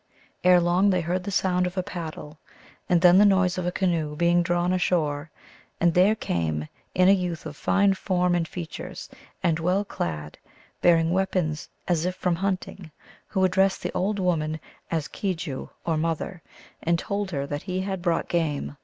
Erelong they heard the sound of a paddle, and then the noise of a canoe being drawn ashore. And there came in a youth of fine form and features and well clad, bearing weapons as if from hunting who addressed the old woman as Kejoo, or mother, and told her that he had brought game.